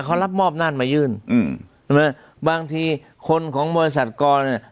เขารับมอบนั่นมายื่นอืมใช่ไหมบางทีคนของบริษัทกรเนี่ย